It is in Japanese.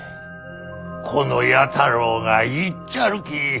この弥太郎が行っちゃるき。